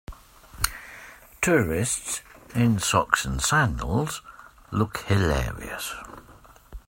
Tourists in socks and sandals look hilarious.